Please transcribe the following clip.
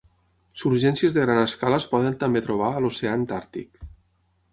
Surgències de gran escala es poden també trobar a l'Oceà Antàrtic.